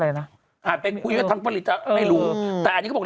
อะไรน่ะอ่ะไปคุยกับทางผลิตอ่ะไม่รู้อืมแต่อันนี้ก็บอก